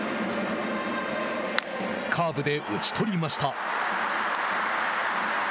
カーブで打ち取りました。